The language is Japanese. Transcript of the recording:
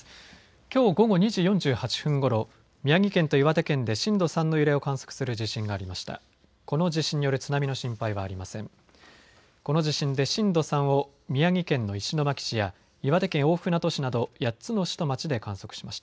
きょう午後２時４８分ごろ宮城県と岩手県で震度３の揺れを観測する地震がありました。